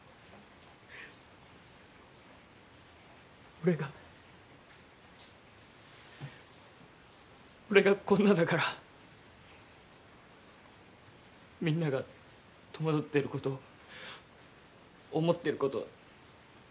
俺が俺がこんなだからみんなが戸惑ってること思ってること